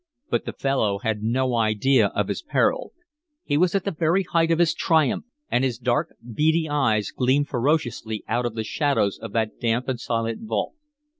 But the fellow had no idea of his peril; he was at the very height of his triumph and his dark, beady eyes gleamed ferociously out of the shadows of that damp and silent vault.